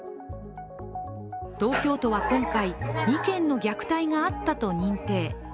東京都は今回、２件の虐待があったと認定。